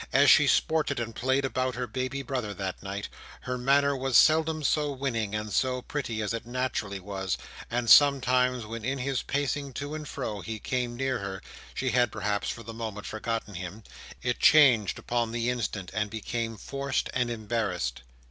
As she sported and played about her baby brother that night, her manner was seldom so winning and so pretty as it naturally was, and sometimes when in his pacing to and fro, he came near her (she had, perhaps, for the moment, forgotten him) it changed upon the instant and became forced and embarrassed.